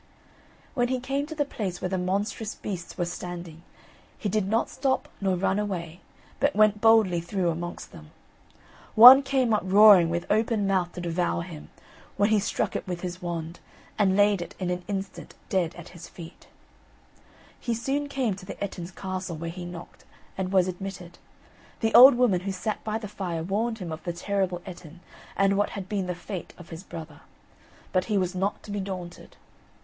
When he came to the place where the monstrous beasts were standing, he did not stop nor run away, but went boldly through amongst them. One came up roaring with open mouth to devour him, when he struck it with his wand, and laid it in an instant dead at his feet. He soon came to the Ettin's castle, where he knocked, and was admitted. The old woman who sat by the fire warned him of the terrible Ettin, and what had been the fate of his brother; but he was not to be daunted.